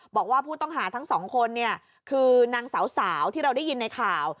บอกว่าผู้ต้องหาทั้งสองคนเนี่ยคือนางสาวที่เราได้ยินในข่าว